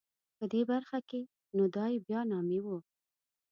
په دې برخه کې نو دای بیا نامي و.